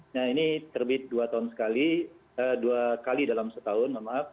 nah ini terbit dua kali dalam setahun